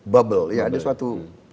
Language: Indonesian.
bubble ya ada suatu